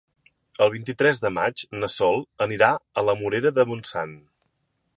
El vint-i-tres de maig na Sol anirà a la Morera de Montsant.